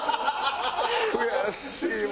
悔しいわ。